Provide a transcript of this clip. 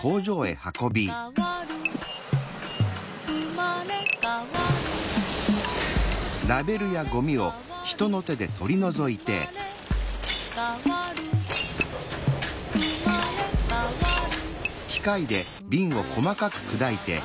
「うまれかわるうまれかわる」